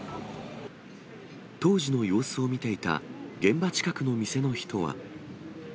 当時の様子を見ていた現場近くの店の人は。